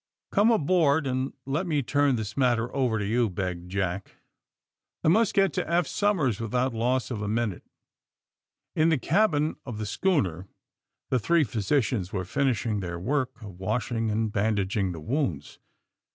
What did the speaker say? *'Come aboard and let me turn this matter over to you, '' begged Jack. ^' I must get to Eph Somers without loss of a minute. '' In the cabin of the schooner the three physi cians were finishing their work of washing and bandaging the wounds.